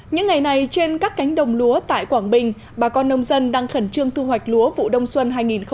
những ngày này trên các cánh đồng lúa tại quảng bình bà con nông dân đang khẩn trương thu hoạch lúa vụ đông xuân hai nghìn một mươi hai nghìn hai mươi